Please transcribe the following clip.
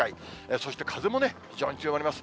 そして風も非常に強まります。